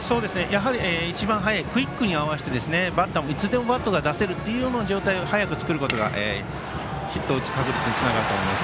一番早いクイックに合わせてバッターもいつでもバットを出せる状況を早く作ることがヒットを打つ確率につながると思います。